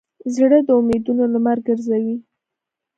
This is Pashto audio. زړه د امیدونو لمر ګرځوي.